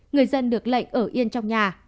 người dân được lệnh ở yên trong nhà